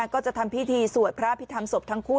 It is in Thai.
ก็จะทำพิธีสวดพระพิธรรมศพทั้งคู่